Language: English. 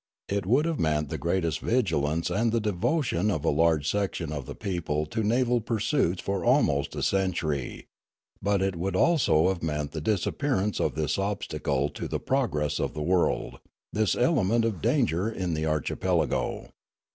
It would have meant the greatest vigilance and the devotion of a large section of the people to naval pursuits for almost a century ; but it would also have meant the disap pearance of this obstacle to the progress of the world, this element of danger in the archipelago.